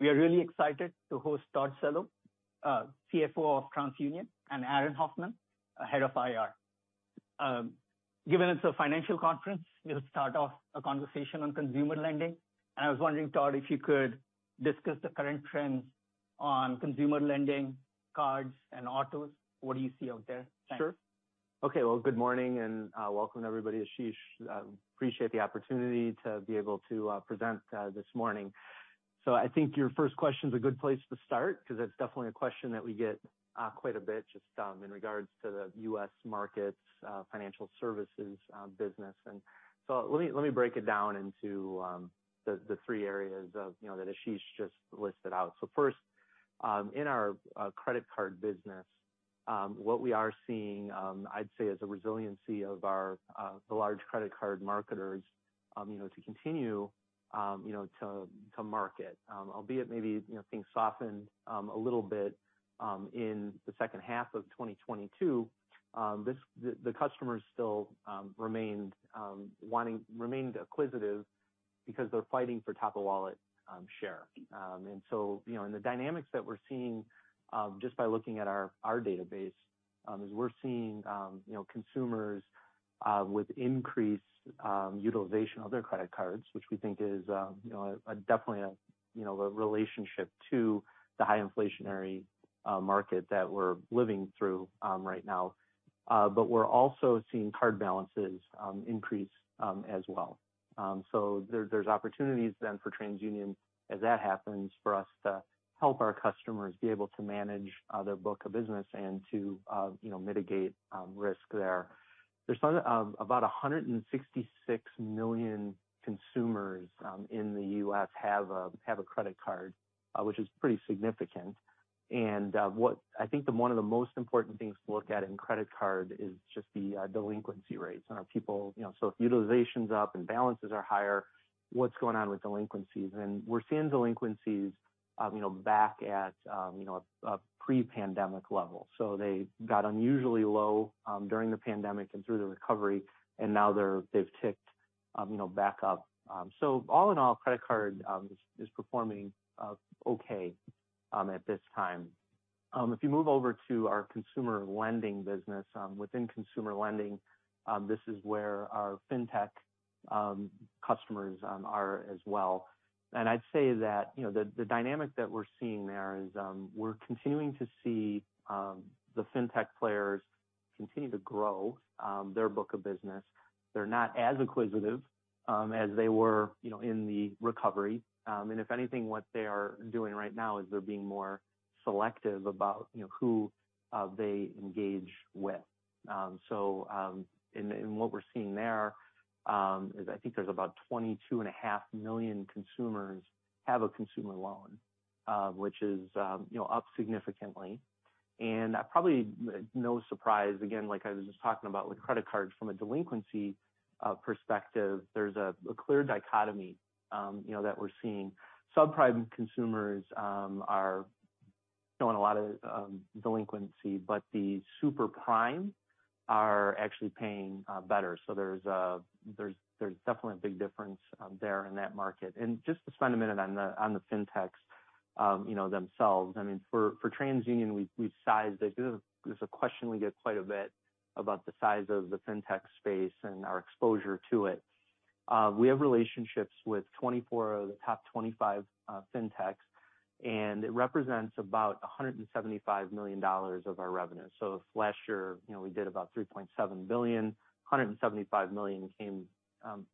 We are really excited to host Todd Cello, CFO of TransUnion, and Aaron Hoffman, head of IR. Given it's a financial conference, we'll start off a conversation on consumer lending. I was wondering, Todd, if you could discuss the current trends on consumer lending, cards and autos. What do you see out there? Thanks. Sure. Okay. Well, good morning and welcome everybody. Ashish, I appreciate the opportunity to be able to present this morning. I think your first question is a good place to start because it's definitely a question that we get quite a bit just in regards to the U.S. markets financial services business. Let me, let me break it down into the three areas of, you know, that Ashish just listed out. First, in our credit card business, what we are seeing, I'd say is a resiliency of our the large credit card marketers, you know, to continue, you know, to market. Albeit maybe, you know, things softened a little bit in the second half of 2022. The customers still remained acquisitive because they're fighting for top-of-wallet share. you know, the dynamics that we're seeing just by looking at our database is we're seeing you know, consumers with increased utilization of their credit cards, which we think is you know, definitely a you know, a relationship to the high inflationary market that we're living through right now. we're also seeing card balances increase as well. there's opportunities then for TransUnion as that happens for us to help our customers be able to manage their book of business and to you know, mitigate risk there. There's about 166 million consumers in the U.S. have a credit card, which is pretty significant. What I think one of the most important things to look at in credit card is just the delinquency rates. Are people... You know, if utilization's up and balances are higher, what's going on with delinquencies? We're seeing delinquencies, you know, back at, you know, a pre-pandemic level. They got unusually low during the pandemic and through the recovery, and now they've ticked, you know, back up. All in all, credit card is performing okay at this time. If you move over to our consumer lending business, within consumer lending, this is where our fintech customers are as well. I'd say that, you know, the dynamic that we're seeing there is we're continuing to see the fintech players continue to grow their book of business. They're not as acquisitive as they were, you know, in the recovery. If anything, what they are doing right now is they're being more selective about, you know, who they engage with. What we're seeing there is I think there's about 22.5 million consumers have a consumer loan, which is, you know, up significantly. Probably no surprise, again, like I was just talking about with credit cards from a delinquency perspective, there's a clear dichotomy, you know, that we're seeing. Subprime consumers are showing a lot of delinquency, but the super-prime are actually paying better. There's definitely a big difference there in that market. Just to spend a minute on the fintechs, you know, themselves. I mean, for TransUnion, we sized it. This is a question we get quite a bit about the size of the fintech space and our exposure to it. We have relationships with 24 of the top 25 fintechs, and it represents about $175 million of our revenue. If last year, you know, we did about $3.7 billion, $175 million came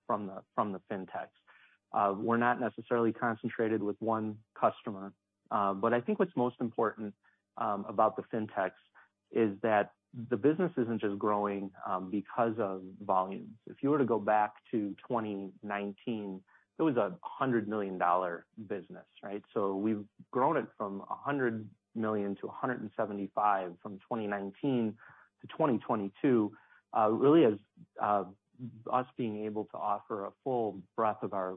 from the fintechs. We're not necessarily concentrated with one customer, but I think what's most important about the fintechs is that the business isn't just growing because of volumes. If you were to go back to 2019, it was a $100 million business, right? We've grown it from $100 million-$175 million from 2019 to 2022, really as us being able to offer a full breadth of our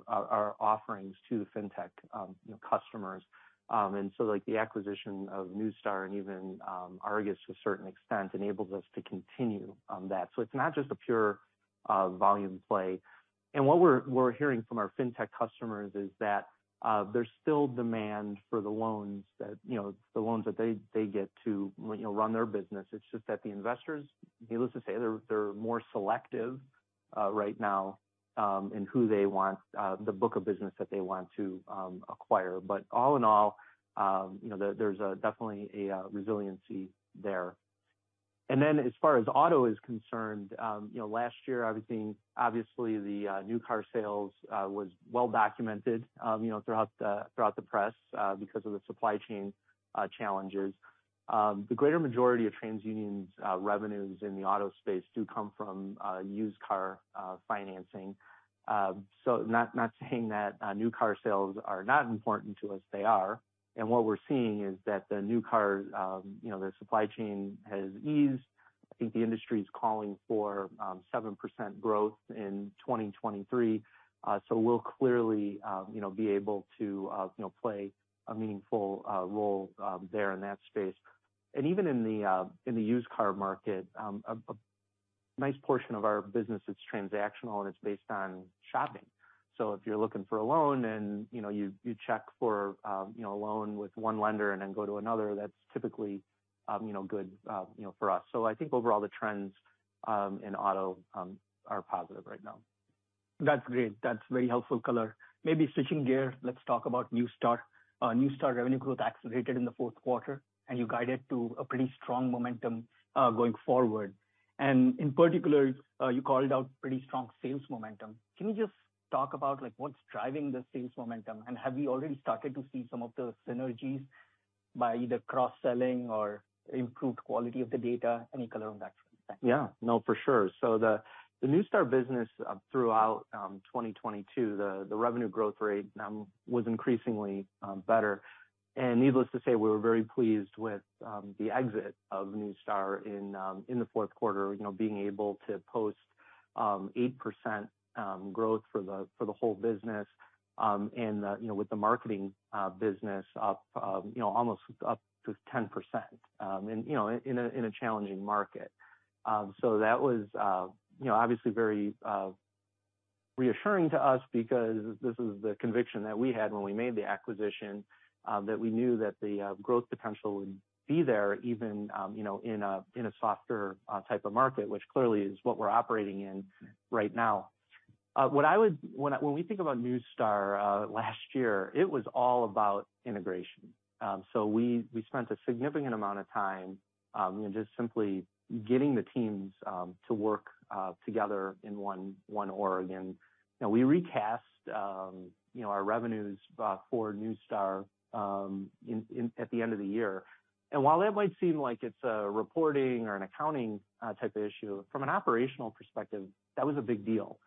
offerings to the fintech, you know, customers. Like, the acquisition of Neustar and even Argus to a certain extent enables us to continue that. It's not just a pure volume play. What we're hearing from our fintech customers is that there's still demand for the loans that, you know, the loans that they get to, you know, run their business. It's just that the investors, needless to say, they're more selective right now in who they want, the book of business that they want to acquire. All in all, you know, there's definitely a resiliency there. As far as auto is concerned, you know, last year, obviously the new car sales was well documented, you know, throughout the press because of the supply chain challenges. The greater majority of TransUnion's revenues in the auto space do come from used car financing. Not saying that new car sales are not important to us, they are. What we're seeing is that the new car, you know, the supply chain has eased. I think the industry is calling for 7% growth in 2023. We'll clearly, you know, be able to, you know, play a meaningful role there in that space. Even in the used car market, a nice portion of our business is transactional, and it's based on shopping. If you're looking for a loan and, you know, you check for, you know, a loan with one lender and then go to another, that's typically, you know, good, you know, for us. I think overall the trends in auto are positive right now. That's great. That's very helpful color. Maybe switching gears, let's talk about Neustar. Neustar revenue growth accelerated in the fourth quarter, and you guided to a pretty strong momentum going forward. In particular, you called out pretty strong sales momentum. Can you just talk about, like, what's driving the sales momentum? Have you already started to see some of the synergies by either cross-selling or improved quality of the data? Any color on that front? Thanks. Yeah. No, for sure. The Neustar business throughout 2022, the revenue growth rate was increasingly better. Needless to say, we were very pleased with the exit of Neustar in the fourth quarter, you know, being able to post 8% growth for the whole business, and, you know, with the marketing business up, you know, almost up to 10%, and, you know, in a challenging market. That was, you know, obviously very reassuring to us because this is the conviction that we had when we made the acquisition, that we knew that the growth potential would be there even, you know, in a softer type of market, which clearly is what we're operating in right now. When we think about Neustar, last year, it was all about integration. We spent a significant amount of time, you know, just simply getting the teams to work together in one org. You know, we recast, you know, our revenues for Neustar at the end of the year. While that might seem like it's a reporting or an accounting type of issue, from an operational perspective, that was a big deal,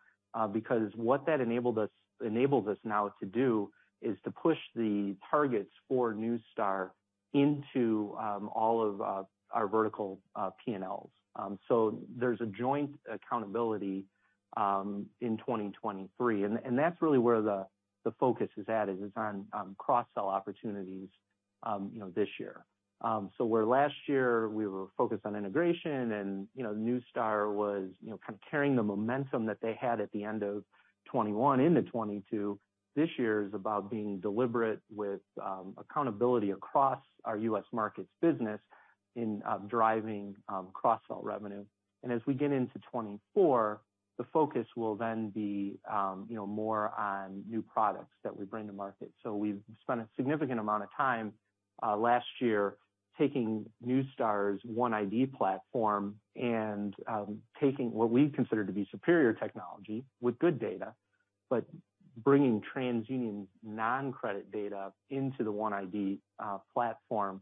because what that enabled us, enables us now to do is to push the targets for Neustar into all of our vertical P&Ls. There's a joint accountability in 2023, and that's really where the focus is at, is it's on cross-sell opportunities, you know, this year. Where last year we were focused on integration and Neustar was kind of carrying the momentum that they had at the end of 2021 into 2022, this year is about being deliberate with accountability across our U.S. markets business in driving cross-sell revenue. As we get into 2024, the focus will then be more on new products that we bring to market. We've spent a significant amount of time last year taking Neustar's OneID platform and taking what we consider to be superior technology with good data. Bringing TransUnion's non-credit data into the OneID platform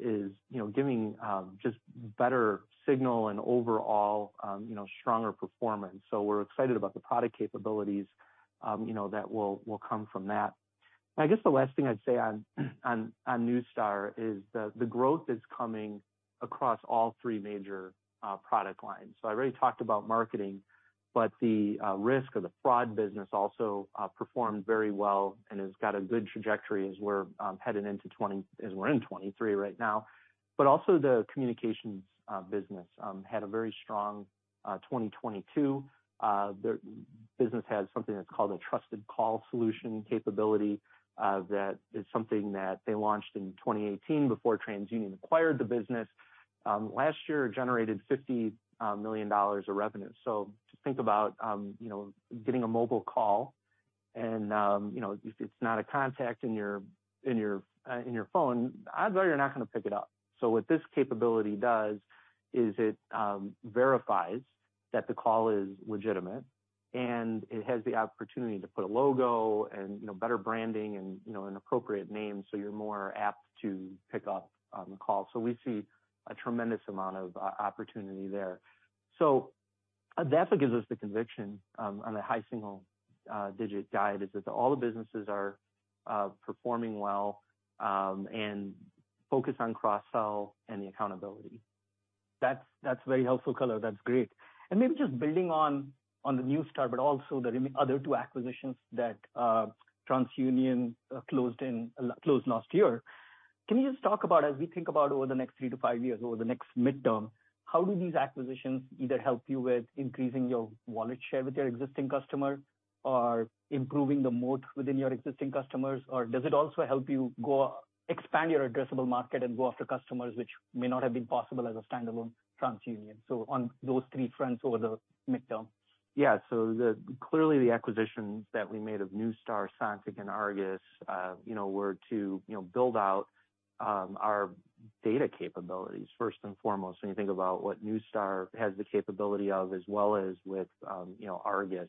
is giving just better signal and overall stronger performance. We're excited about the product capabilities that will come from that. I guess the last thing I'd say on Neustar is the growth is coming across all three major product lines. I already talked about marketing, but the risk of the fraud business also performed very well and has got a good trajectory as we're in 2023 right now. Also the communications business had a very strong 2022. Their business has something that's called a Trusted Call Solution capability that is something that they launched in 2018 before TransUnion acquired the business. Last year, it generated $50 million of revenue. Just think about, you know, getting a mobile call and, you know, if it's not a contact in your, in your, in your phone, odds are you're not gonna pick it up. What this capability does is it verifies that the call is legitimate, and it has the opportunity to put a logo and, you know, better branding and, you know, an appropriate name, so you're more apt to pick up the call. We see a tremendous amount of opportunity there. That's what gives us the conviction on a high single digit guide, is that all the businesses are performing well, and focused on cross-sell and the accountability. That's very helpful color. That's great. Maybe just building on the Neustar, but also the other two acquisitions that TransUnion closed last year. Can you just talk about as we think about over the next three to five years, over the next midterm, how do these acquisitions either help you with increasing your wallet share with your existing customer or improving the moat within your existing customers? Does it also help you go expand your addressable market and go after customers which may not have been possible as a standalone TransUnion? On those three fronts over the midterm. Clearly the acquisitions that we made of Neustar, Sontiq and Argus, you know, were to, you know, build out our data capabilities first and foremost, when you think about what Neustar has the capability of as well as with, you know, Argus.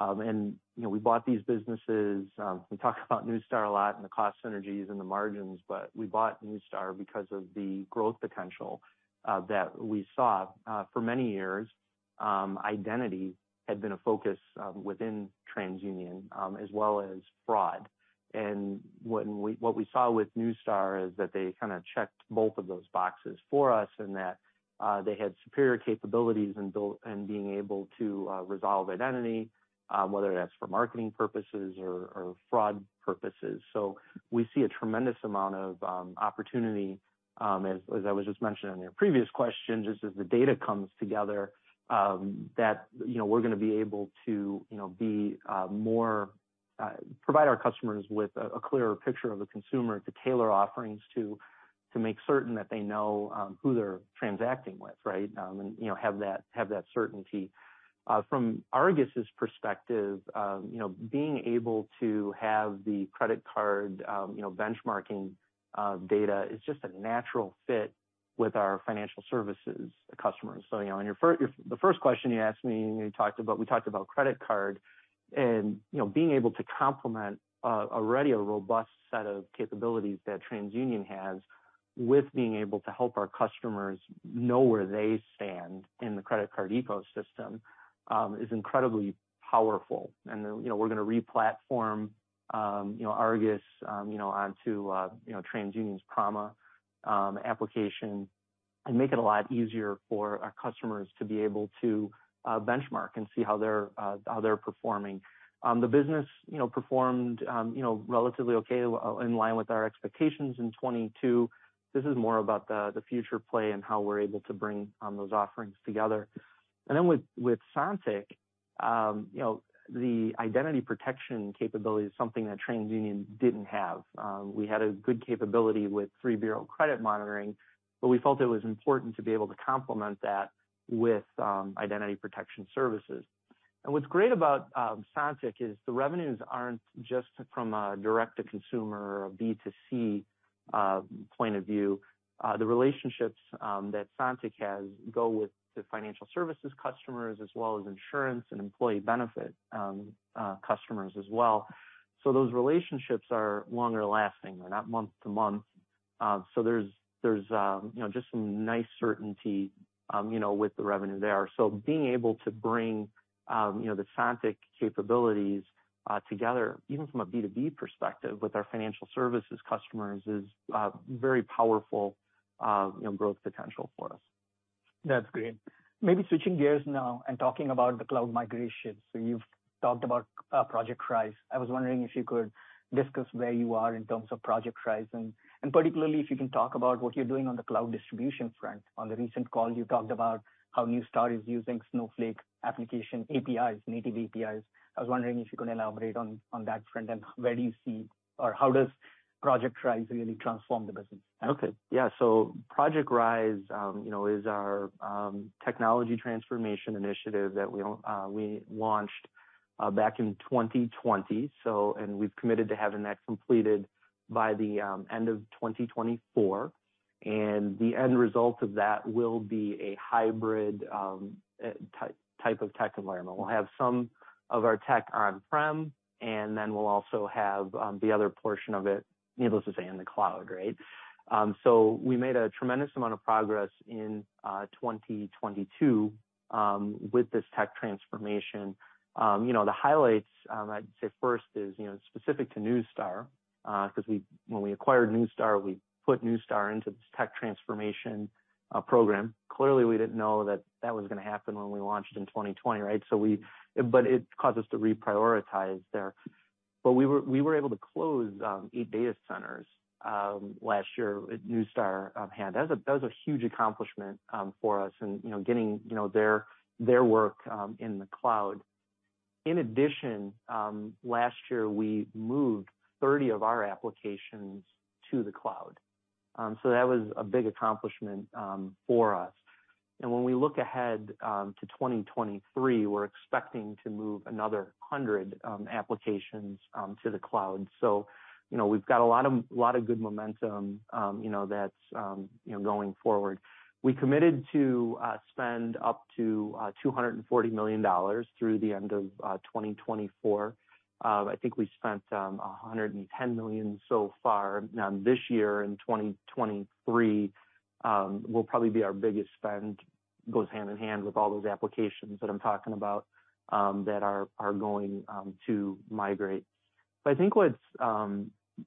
You know, we bought these businesses, we talk about Neustar a lot and the cost synergies and the margins, we bought Neustar because of the growth potential that we saw for many years. Identity had been a focus within TransUnion as well as fraud. What we saw with Neustar is that they kinda checked both of those boxes for us and that they had superior capabilities in being able to resolve identity, whether that's for marketing purposes or fraud purposes. We see a tremendous amount of opportunity. As I was just mentioning in your previous question, just as the data comes together, that, you know, we're gonna be able to, you know, be more provide our customers with a clearer picture of the consumer to tailor offerings to make certain that they know who they're transacting with, right? And, you know, have that certainty. From Argus's perspective, you know, being able to have the credit card, you know, benchmarking data is just a natural fit with our financial services customers. You know, on your The first question you asked me, and we talked about credit card and, you know, being able to complement already a robust set of capabilities that TransUnion has with being able to help our customers know where they stand in the credit card ecosystem is incredibly powerful. You know, we're gonna re-platform, you know, Argus, you know, onto, you know, TransUnion's Prama application and make it a lot easier for our customers to be able to benchmark and see how they're performing. The business, you know, performed, you know, relatively okay, in line with our expectations in 2022. This is more about the future play and how we're able to bring those offerings together. With Sontiq, you know, the identity protection capability is something that TransUnion didn't have. We had a good capability with three-bureau credit monitoring, but we felt it was important to be able to complement that with identity protection services. What's great about Sontiq is the revenues aren't just from a direct-to-consumer or B2C point of view. The relationships that Sontiq has go with the financial services customers as well as insurance and employee benefit customers as well. Those relationships are longer lasting. They're not month to month. There's, you know, just some nice certainty, you know, with the revenue there. Being able to bring, you know, the Sontiq capabilities together, even from a B2B perspective with our financial services customers is a very powerful, you know, growth potential for us. That's great. Maybe switching gears now and talking about the cloud migration. You've talked about Project Rise. I was wondering if you could discuss where you are in terms of Project Rise, and particularly if you can talk about what you're doing on the cloud distribution front. On the recent call, you talked about how Neustar is using Snowflake application APIs, native APIs. I was wondering if you could elaborate on that front and where do you see or how does Project Rise really transform the business? Okay. Yeah. Project Rise, you know, is our technology transformation initiative that we launched back in 2020. We've committed to having that completed by the end of 2024. The end result of that will be a hybrid type of tech environment. We'll have some of our tech on-prem, and then we'll also have the other portion of it, needless to say, in the cloud, right? We made a tremendous amount of progress in 2022 with this tech transformation. You know, the highlights, I'd say first is, you know, specific to Neustar, 'cause when we acquired Neustar, we put Neustar into this tech transformation program. Clearly, we didn't know that that was gonna happen when we launched in 2020, right? It caused us to reprioritize there. We were able to close eight data centers last year with Neustar hand. That was a huge accomplishment for us and, you know, getting, you know, their work in the cloud. In addition, last year, we moved 30 of our applications to the cloud. That was a big accomplishment for us. When we look ahead to 2023, we're expecting to move another 100 applications to the cloud. You know, we've got a lot of good momentum, you know, that's, you know, going forward. We committed to spend up to $240 million through the end of 2024. I think we spent $110 million so far. This year in 2023 will probably be our biggest spend. Goes hand in hand with all those applications that I'm talking about that are going to migrate. I think what's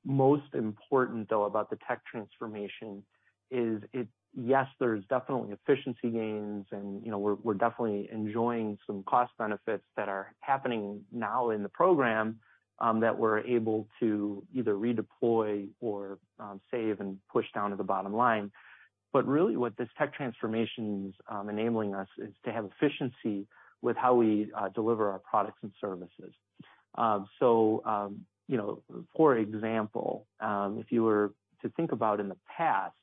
most important though about the tech transformation is, Yes, there's definitely efficiency gains and, you know, we're definitely enjoying some cost benefits that are happening now in the program that we're able to either redeploy or save and push down to the bottom line. Really what this tech transformation's enabling us is to have efficiency with how we deliver our products and services. You know, for example, if you were to think about in the past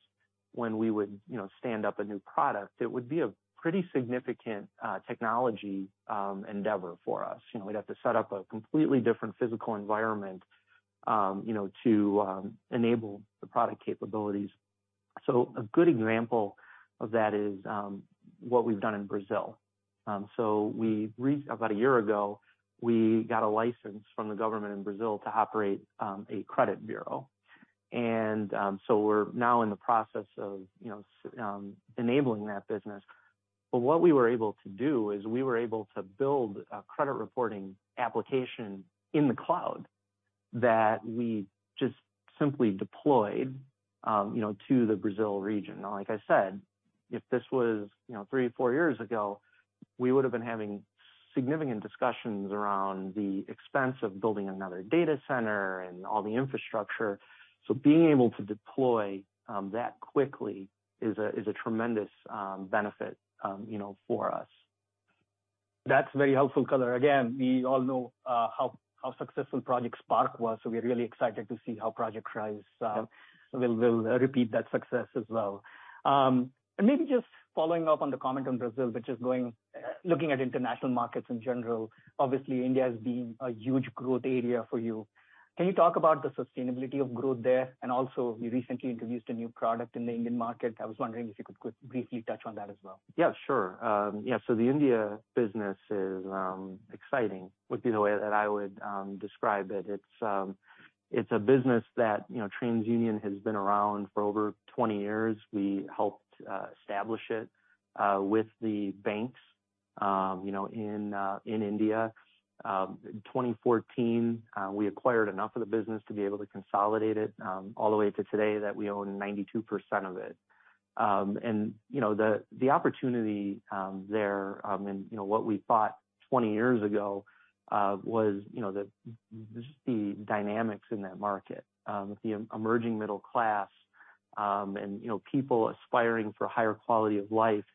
when we would, you know, stand up a new product, it would be a pretty significant technology endeavor for us. You know, we'd have to set up a completely different physical environment, you know, to enable the product capabilities. A good example of that is what we've done in Brazil. About a year ago, we got a license from the government in Brazil to operate a credit bureau. We're now in the process of, you know, enabling that business. What we were able to do is we were able to build a credit reporting application in the cloud that we just simply deployed, you know, to the Brazil region. Like I said, if this was, you know, three or four years ago, we would have been having significant discussions around the expense of building another data center and all the infrastructure. Being able to deploy that quickly is a tremendous benefit, you know, for us. That's very helpful color. Again, we all know, how successful Project Spark was, so we're really excited to see how Project Rise will repeat that success as well. Maybe just following up on the comment on Brazil, just looking at international markets in general. Obviously, India has been a huge growth area for you. Can you talk about the sustainability of growth there? Also you recently introduced a new product in the Indian market. I was wondering if you could briefly touch on that as well? Yeah, sure. The India business is exciting, would be the way that I would describe it. It's a business that, you know, TransUnion has been around for over 20 years. We helped establish it with the banks, you know, in India. In 2014, we acquired enough of the business to be able to consolidate it all the way to today that we own 92% of it. You know, the opportunity, there, and, you know, what we thought 20 years ago, was, you know, the, just the dynamics in that market, the emerging middle class, and, you know, people aspiring for higher quality of life,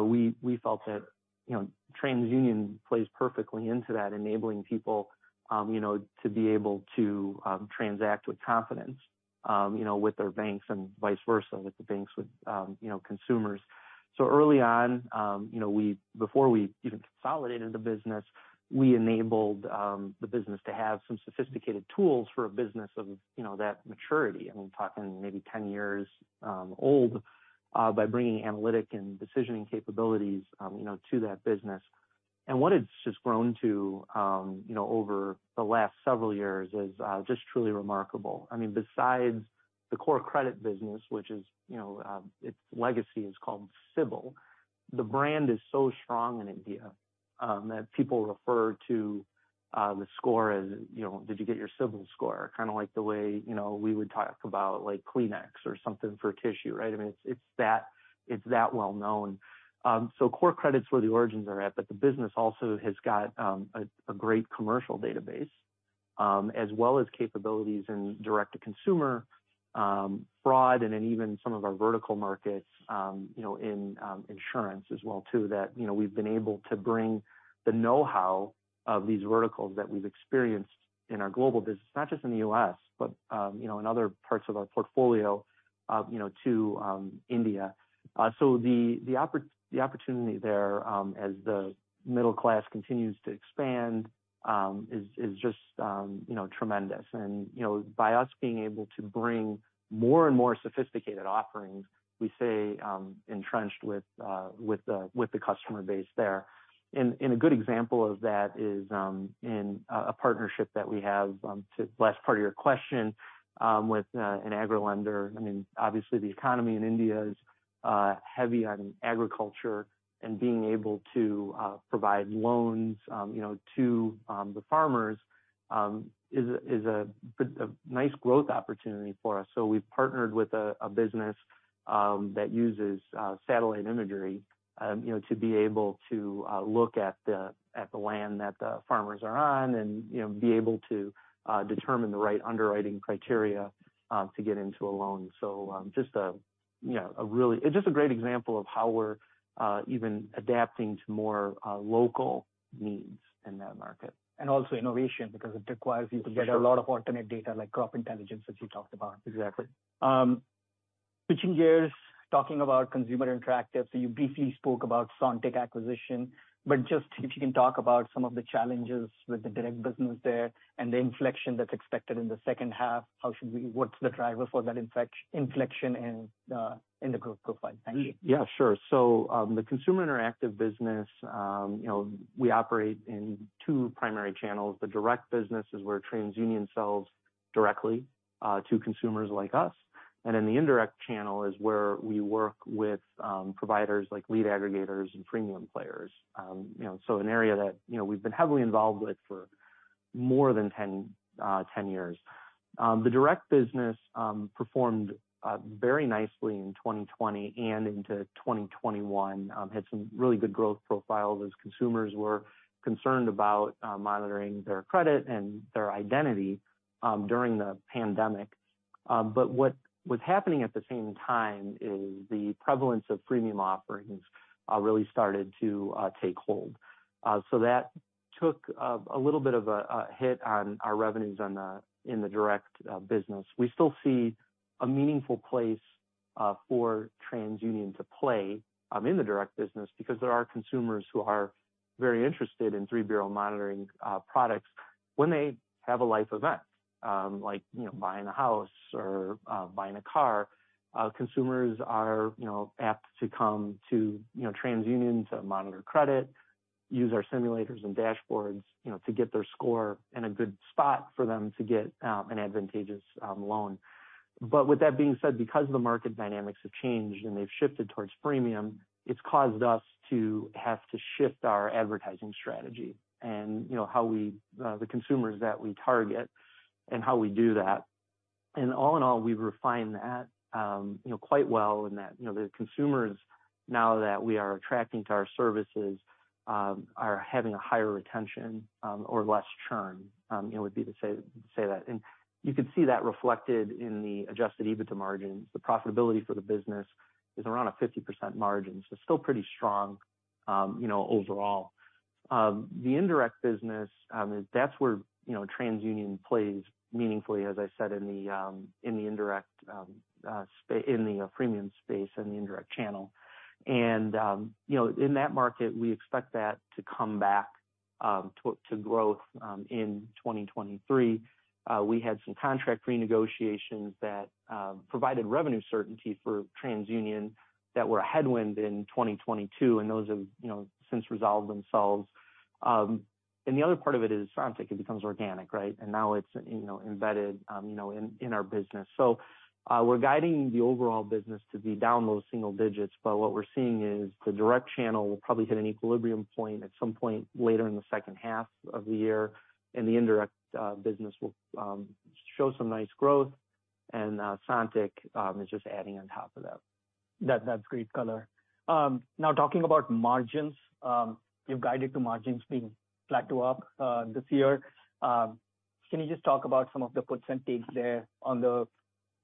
we felt that, you know, TransUnion plays perfectly into that, enabling people, you know, to be able to, transact with confidence, you know, with their banks and vice versa, with the banks with, you know, consumers. Early on, you know, we before we even consolidated the business, we enabled the business to have some sophisticated tools for a business of, you know, that maturity. I mean, we're talking maybe 10 years old, by bringing analytic and decisioning capabilities, you know, to that business. What it's just grown to, you know, over the last several years is just truly remarkable. I mean, besides the core credit business, which is, you know, its legacy is called CIBIL. The brand is so strong in India that people refer to the score as, you know, did you get your CIBIL Score? Kinda like the way, you know, we would talk about like Kleenex or something for tissue, right? I mean, it's that well known. Core credit's where the origins are at, but the business also has got a great commercial database, as well as capabilities in direct-to-consumer, fraud and in even some of our vertical markets, you know, in insurance as well too, that, you know, we've been able to bring the know-how of these verticals that we've experienced in our global business, not just in the U.S., but, you know, in other parts of our portfolio, you know, to India. The opportunity there, as the middle class continues to expand, is just, you know, tremendous. You know, by us being able to bring more and more sophisticated offerings, we say, entrenched with the customer base there. A good example of that is in a partnership that we have to the last part of your question with an agricultural lender. I mean, obviously the economy in India is heavy on agriculture and being able to provide loans, you know, to the farmers is a nice growth opportunity for us. We've partnered with a business that uses satellite imagery, you know, to be able to look at the land that the farmers are on and, you know, be able to determine the right underwriting criteria to get into a loan. Just a, you know, it's just a great example of how we're even adapting to more local needs in that market. Also innovation, because it requires you to. For sure.... a lot of alternate data like Crop Intelligence, which you talked about. Exactly. Switching gears, talking about Consumer Interactive. You briefly spoke about Sontiq acquisition, but just if you can talk about some of the challenges with the direct business there and the inflection that's expected in the second half. What's the driver for that inflection in the growth profile? Thank you. Yeah, sure. The Consumer Interactive business, you know, we operate in two primary channels. The direct business is where TransUnion sells directly to consumers like us. The indirect channel is where we work with providers like lead aggregators and freemium players. You know, an area that, you know, we've been heavily involved with for more than 10 years. The direct business performed very nicely in 2020 and into 2021. Had some really good growth profiles as consumers were concerned about monitoring their credit and their identity during the pandemic. What was happening at the same time is the prevalence of freemium offerings really started to take hold. That took a little bit of a hit on our revenues in the direct business. We still see a meaningful place for TransUnion to play in the direct business because there are consumers who are very interested in three-bureau monitoring products when they have a life event, like, you know, buying a house or buying a car. Consumers are, you know, apt to come to, you know, TransUnion to monitor credit, use our simulators and dashboards, you know, to get their score in a good spot for them to get an advantageous loan. With that being said, because the market dynamics have changed and they've shifted towards freemium, it's caused us to have to shift our advertising strategy and, you know, how we the consumers that we target and how we do that. All in all, we refine that, you know, quite well in that, you know, the consumers now that we are attracting to our services are having a higher retention, or less churn, it would be to say that. You could see that reflected in the adjusted EBITDA margins. The profitability for the business is around a 50% margin. Still pretty strong, you know, overall. The indirect business, that's where, you know, TransUnion plays meaningfully, as I said, in the indirect in the premium space and the indirect channel. You know, in that market, we expect that to come back to growth in 2023. We had some contract renegotiations that provided revenue certainty for TransUnion that were a headwind in 2022, and those have, you know, since resolved themselves. The other part of it is Sontiq, it becomes organic, right? Now it's, you know, embedded, you know, in our business. We're guiding the overall business to be down those single digits, but what we're seeing is the direct channel will probably hit an equilibrium point at some point later in the second half of the year, and the indirect business will show some nice growth. Sontiq is just adding on top of that. That's great color. Now talking about margins, you've guided to margins being flat to up this year. Can you just talk about some of the puts and takes there on the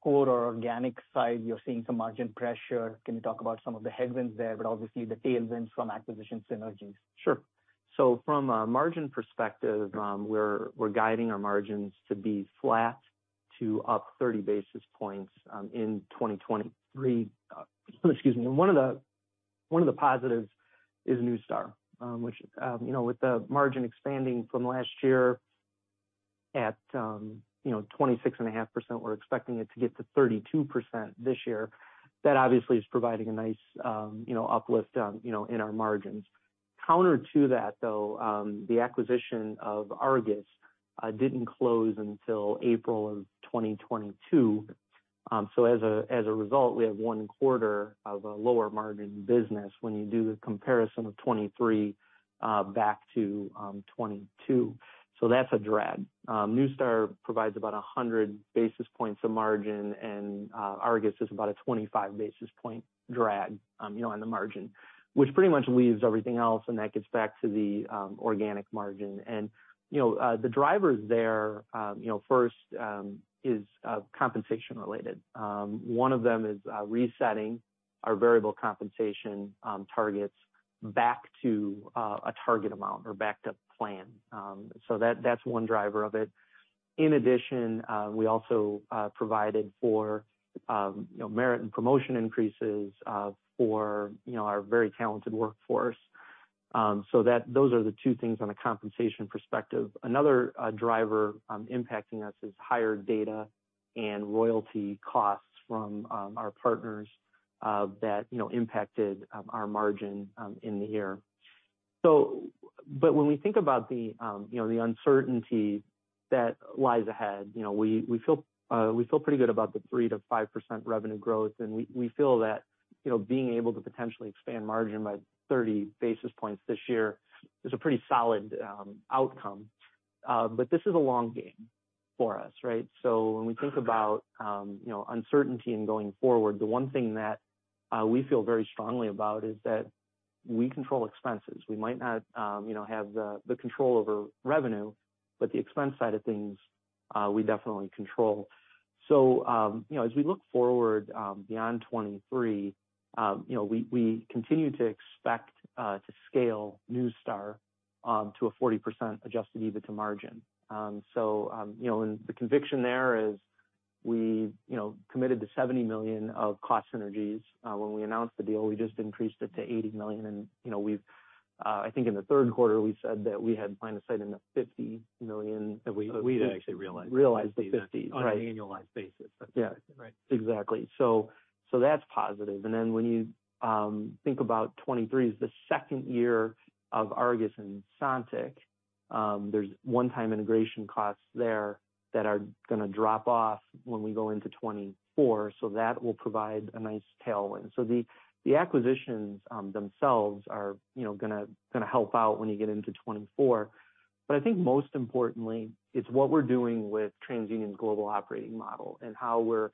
core or organic side? You're seeing some margin pressure. Can you talk about some of the headwinds there, obviously the tailwinds from acquisition synergies? Sure. From a margin perspective, we're guiding our margins to be flat to up 30 basis points in 2023. Excuse me. One of the positives is Neustar, which, you know, with the margin expanding from last year at, you know, 26.5%, we're expecting it to get to 32% this year. That obviously is providing a nice, you know, uplift, you know, in our margins. Counter to that, though, the acquisition of Argus didn't close until April of 2022. As a result, we have one quarter of a lower margin business when you do the comparison of 2023 back to 2022. That's a drag. Neustar provides about 100 basis points of margin, and Argus is about a 25 basis point drag, you know, on the margin, which pretty much leaves everything else, and that gets back to the organic margin. You know, the drivers there, you know, first, is compensation related. One of them is resetting our variable compensation targets back to a target amount or back to plan. So that's one driver of it. In addition, we also provided for, you know, merit and promotion increases, for, you know, our very talented workforce. So that, those are the two things on a compensation perspective. Another driver, impacting us is higher data and royalty costs from our partners, that, you know, impacted our margin in the year. When we think about the, you know, the uncertainty that lies ahead, you know, we feel, we feel pretty good about the 3%-5% revenue growth. We, we feel that, you know, being able to potentially expand margin by 30 basis points this year is a pretty solid outcome. This is a long game for us, right? When we think about, you know, uncertainty and going forward, the one thing that we feel very strongly about is that we control expenses. We might not, you know, have the control over revenue, but the expense side of things, we definitely control. As we look forward, beyond 2023, you know, we continue to expect to scale Neustar to a 40% adjusted EBITDA margin. You know, and the conviction there is we, you know, committed to $70 million of cost synergies. When we announced the deal, we just increased it to $80 million. You know, we've, I think in the third quarter, we said that we had line of sight in the $50 million. We had actually realized. Realized the 50s. On an annualized basis. That's right. Yeah. Exactly. That's positive. When you think about 2023 as the second year of Argus and Sontiq, there's one-time integration costs there that are gonna drop off when we go into 2024. That will provide a nice tailwind. The acquisitions themselves are, you know, gonna help out when you get into 2024. I think most importantly, it's what we're doing with TransUnion's global operating model and how we're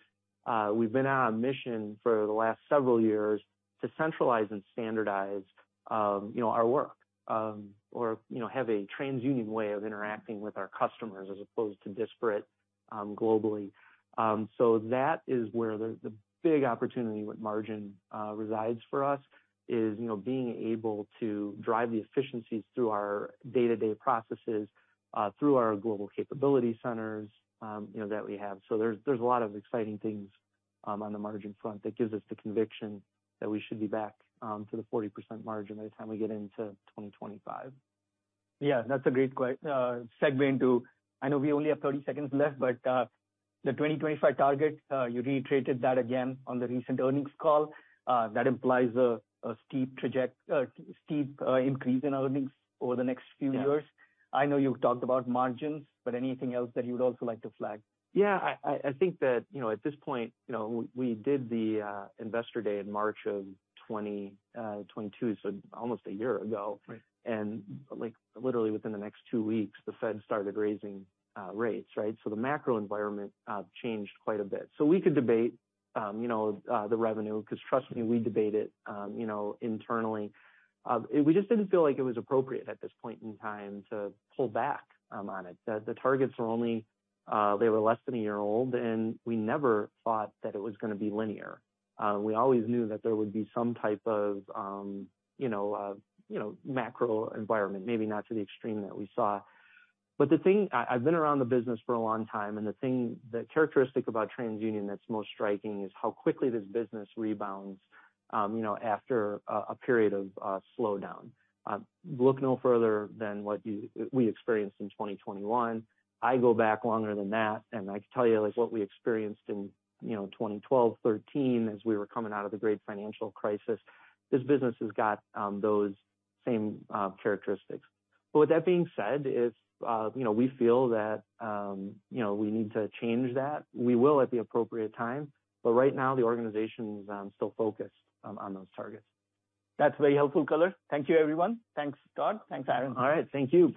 we've been on a mission for the last several years to centralize and standardize, you know, our work. Or, you know, have a TransUnion way of interacting with our customers as opposed to disparate, globally. That is where the big opportunity with margin resides for us is being able to drive the efficiencies through our day-to-day processes, through our global capability centers that we have. There's a lot of exciting things on the margin front that gives us the conviction that we should be back to the 40% margin by the time we get into 2025. That's a great segue into. I know we only have 30 seconds left, but, the 2025 target, you reiterated that again on the recent earnings call. That implies a steep increase in earnings over the next few years. Yeah. I know you've talked about margins, but anything else that you would also like to flag? Yeah. I think that, you know, at this point, you know, we did the Investor Day in March of 2022, almost a year ago. Right. Like, literally within the next two weeks, the Fed started raising rates, right. The macro environment changed quite a bit. We could debate, you know, the revenue 'cause trust me, we debate it, you know, internally. We just didn't feel like it was appropriate at this point in time to pull back on it. The targets were only, they were less than one year old, and we never thought that it was gonna be linear. We always knew that there would be some type of, you know, macro environment, maybe not to the extreme that we saw. I've been around the business for a long time, and the characteristic about TransUnion that's most striking is how quickly this business rebounds, you know, after a period of slowdown. Look no further than what we experienced in 2021. I go back longer than that, and I can tell you is what we experienced in, you know, 2012, 2013, as we were coming out of the great financial crisis. This business has got those same characteristics. With that being said, if, you know, we feel that, you know, we need to change that, we will at the appropriate time. Right now, the organization is still focused on those targets. That's very helpful color. Thank you, everyone. Thanks, Todd. Thanks, Aaron. All right. Thank you.